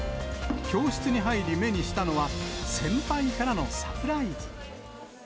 教室に入り目にしたのは、先輩からのサプライズ。